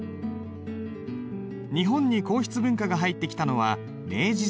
日本に硬筆文化が入ってきたのは明治時代。